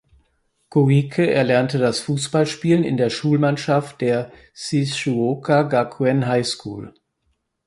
Koike erlernte das Fußballspielen in der Schulmannschaft der "Shizuoka Gakuen High School".